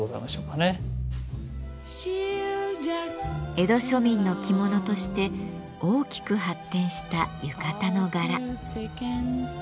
江戸庶民の着物として大きく発展した浴衣の柄。